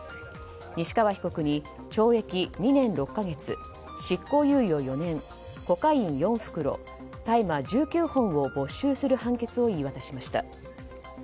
西川被告に懲役２年６か月、執行猶予４年コカイン４袋大麻１９本を没取する判決を言い渡しました。